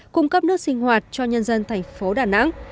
cung cấp nước sinh hoạt cho nhân dân thành phố đà nẵng